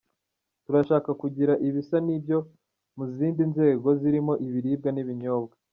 Turashaka kugira ibisa n’ibyo mu zindi nzego zirimo ibiribwa n’ibinyobwa.